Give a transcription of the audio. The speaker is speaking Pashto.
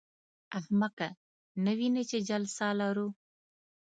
احمقه! نه وینې چې جلسه لرو.